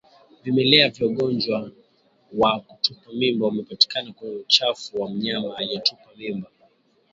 Vimelea vya ugonjwa wa kutupa mimba hupatikana kwenye uchafu wa mnyama aliyetupa mimba